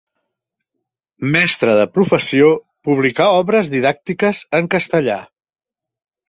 Mestre de professió, publicà obres didàctiques en castellà.